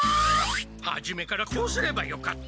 はじめからこうすればよかった。